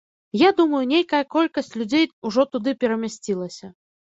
Я думаю, нейкая колькасць людзей ужо туды перамясцілася.